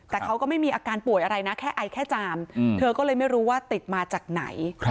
แต่เขาก็ไม่มีอาการป่วยอะไรนะแค่ไอแค่จามเธอก็เลยไม่รู้ว่าติดมาจากไหน